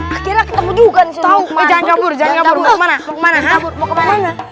ketemu juga tahu jangan kabur kabur kemana kemana